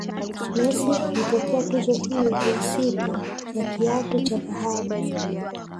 Messi amepokea tuzo hiyo ya sita ya kiatu cha dhahabu